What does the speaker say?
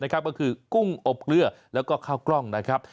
ก็คือกุ้งอบเกลือแล้วก็ข้าวกล้องนะครับ